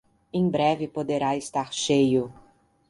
Em breve poderá estar cheio.